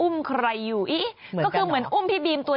มันก็เหมือนจริงนะ